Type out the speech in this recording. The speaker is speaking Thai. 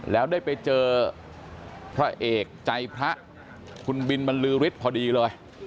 แล้วได้ไปเจอพระเอกใจพระคุณบินบรรลือฤทธิ์พอดีเลย